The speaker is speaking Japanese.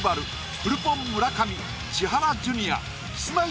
フルポン村上千原ジュニアキスマイ